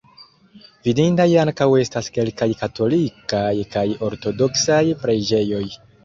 Vidindaj ankaŭ estas kelkaj katolikaj kaj ortodoksaj preĝejoj.